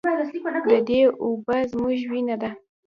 د دې اوبه زموږ وینه ده